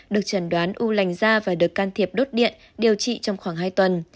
được trần đoán u lành da và được can thiệp đốt điện điều trị trong khoảng hai tuần